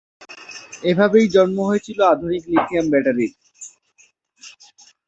এভাবেই জন্ম হয়েছিল আধুনিক লিথিয়াম আয়ন ব্যাটারির।